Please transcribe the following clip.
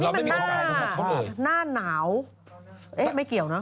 นี่มันหน้าหนาวไม่เกี่ยวเนอะไม่เหมือนเรา